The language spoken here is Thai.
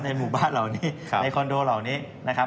หมู่บ้านเหล่านี้ในคอนโดเหล่านี้นะครับ